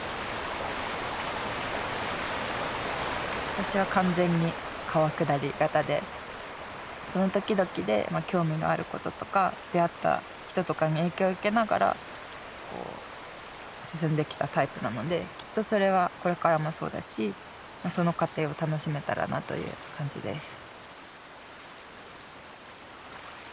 私は完全に川下り型でその時々で興味のあることとか出会った人とかに影響を受けながらこう進んできたタイプなのできっとそれはこれからもそうだしその過程を楽しめたらなという感じです。